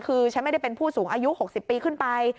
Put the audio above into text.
คือฉันไม่ได้เป็นผู้สูงอายุ๖๐ปีขึ้นไป